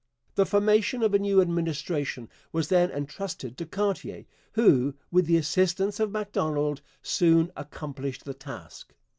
The formation of a new Administration was then entrusted to Cartier, who, with the assistance of Macdonald, soon accomplished the task.